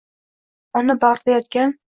Ona bag’rida yotgan